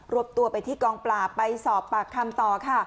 วบตัวไปที่กองปราบไปสอบปากคำต่อค่ะ